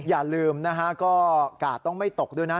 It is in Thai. อย่าลืมนะฮะก็กาดต้องไม่ตกด้วยนะ